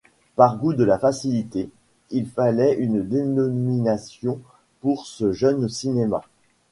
Par goût de la facilité, il fallait une dénomination pour ce jeune cinéma.